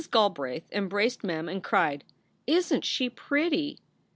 Galbraith embraced Mem and cried, "Isn t she pretty?"